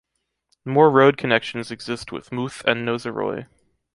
More road connections exist with Mouthe and Nozeroy.